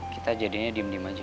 kita jadinya diem diem aja